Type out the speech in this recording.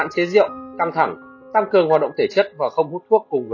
ba chế độ ăn kiêng linh hoạt